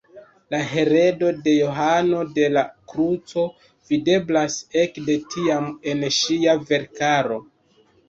La heredo de Johano de la Kruco videblas ekde tiam en ŝia verkaro.